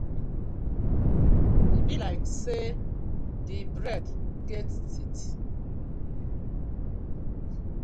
E bi like say di bread get teeth.